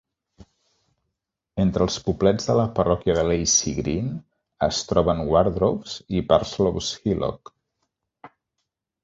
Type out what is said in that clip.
Entre els poblets de la parròquia de Lacey Green es troben Wardrobes i Parslow's Hillock.